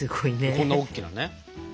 こんな大きなね。